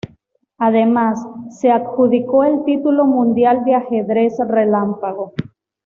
Además, se adjudicó el título mundial de ajedrez relámpago.